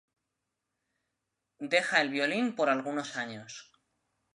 Deja el violín por algunos años.